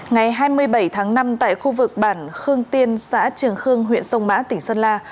ngày hai mươi bảy tháng năm tại khu vực bản khương tiên xã trường khương huyện sông mã tỉnh sơn la